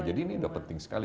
jadi ini sudah penting sekali